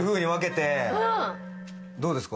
どうですか？